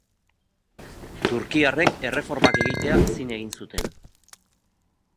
Turkiarrek erreformak egitea zin egin zuten.